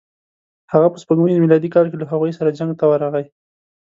هغه په سپوږمیز میلادي کال کې له هغوی سره جنګ ته ورغی.